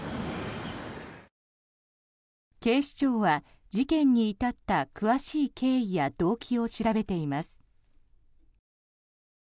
警視庁は事件に至った詳しい経緯や動機を調べています。